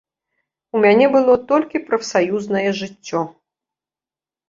У мяне было толькі прафсаюзнае жыццё.